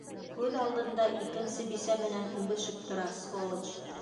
Күҙ алдында икенсе бисә менән үбешеп тора, сволочь!